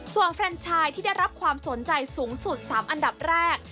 ส่วนแฟนชายที่ได้รับความสนใจสูงสุด๓อันดับแรก